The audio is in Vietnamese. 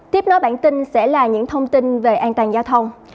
tiếp nối bản tin sẽ là những thông tin về an toàn giao thông